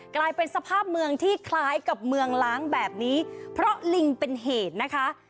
กลายเป็นสภาพเมืองที่คล้ายกับเมืองล้างแบบนี้เพราะลิงเป็นเหตุนะคะ